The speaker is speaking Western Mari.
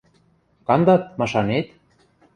— Кандат, машанет?